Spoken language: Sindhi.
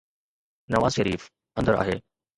نواز شريف اندر آهي.